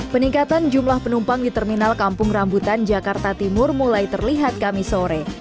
peningkatan jumlah penumpang di terminal kampung rambutan jakarta timur mulai terlihat kami sore